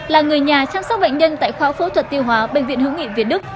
là người nhà chăm sóc bệnh nhân tại khoa phẫu thuật tiêu hóa bệnh viện hữu nghị việt đức